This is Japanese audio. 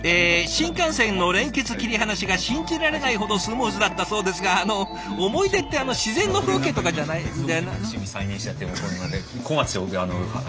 新幹線の連結切り離しが信じられないほどスムーズだったそうですがあの思い出ってあの自然の風景とかじゃないじゃな。